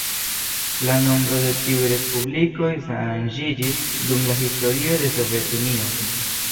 La nombro de tiuj respublikoj ŝanĝiĝis dum la historio de Sovetunio.